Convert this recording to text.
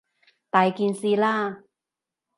大件事喇！